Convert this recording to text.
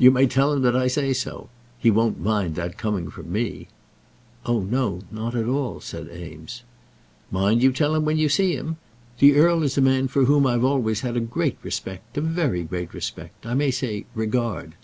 You may tell him that I say so. He won't mind that coming from me." "Oh, no; not at all," said Eames. "Mind you tell him when you see him. The earl is a man for whom I've always had a great respect, a very great respect, I may say regard.